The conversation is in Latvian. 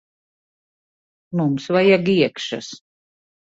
Mums vajag iekšas.